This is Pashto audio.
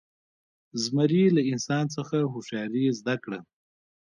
زمري له انسان څخه هوښیاري زده کړه.